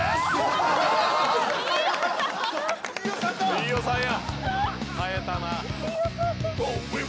飯尾さんだ！